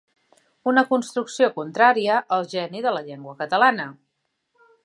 Una construcció contrària al geni de la llengua catalana.